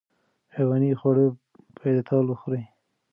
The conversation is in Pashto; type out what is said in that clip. حیواني خواړه په اعتدال وخورئ.